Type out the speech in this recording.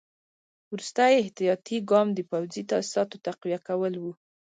وروستی احتیاطي ګام د پوځي تاسیساتو تقویه کول وو.